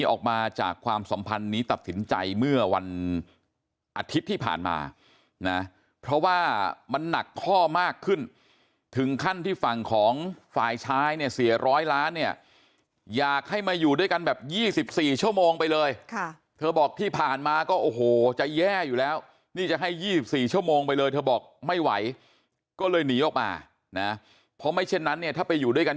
ออกมาจากความสัมพันธ์นี้ตัดสินใจเมื่อวันอาทิตย์ที่ผ่านมานะเพราะว่ามันหนักข้อมากขึ้นถึงขั้นที่ฝั่งของฝ่ายชายเนี่ยเสียร้อยล้านเนี่ยอยากให้มาอยู่ด้วยกันแบบ๒๔ชั่วโมงไปเลยค่ะเธอบอกที่ผ่านมาก็โอ้โหจะแย่อยู่แล้วนี่จะให้๒๔ชั่วโมงไปเลยเธอบอกไม่ไหวก็เลยหนีออกมานะเพราะไม่เช่นนั้นเนี่ยถ้าไปอยู่ด้วยกัน